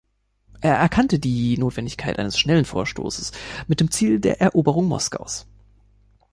Er erkannte die Notwendigkeit eines schnellen Vorstoßes mit dem Ziel der Eroberung Moskaus.